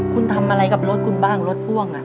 คุณทำอะไรกับรถคุณบ้างรถพ่วง